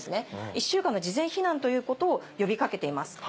一週間の事前避難ということを呼びかけています。